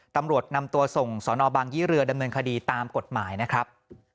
ตำรวจนำตัวส่งสนบางยี่เรือดำเนินคดีตามกฎหมายนะครับ